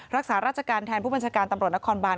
รักษาราชการแทนผู้บัญชาการตำรวจนครบาน